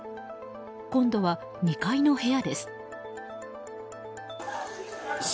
今度は２階の部屋です。